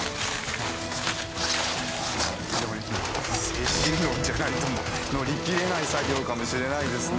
精神論じゃないと乗りきれない作業かもしれないですね。